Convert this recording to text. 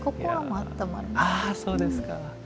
あそうですか。